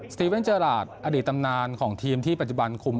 ตีเว่นเจอราชอดีตตำนานของทีมที่ปัจจุบันคุม